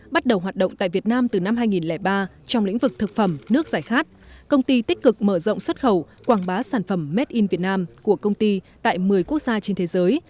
bắt đầu hoạt động tại việt nam từ năm hai nghìn ba trong lĩnh vực thực phẩm nước giải khát công ty tích cực mở rộng xuất khẩu quảng bá sản phẩm made in vietnam của công ty tại một mươi quốc gia trên thế giới